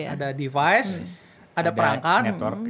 ada device ada perangkat